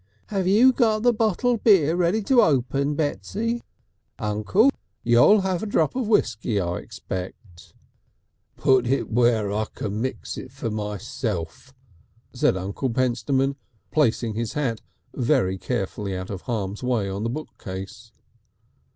Have you got the bottled beer ready to open, Betsy? Uncle, you'll have a drop of whiskey, I expect." "Put it where I can mix for myself," said Uncle Pentstemon, placing his hat very carefully out of harm's way on the bookcase.